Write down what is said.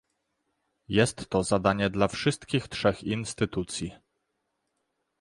jest to zadanie dla wszystkich trzech instytucji